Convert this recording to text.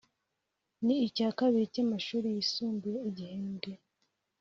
n icya kabiri cy amashuri yisumbuye igihembwe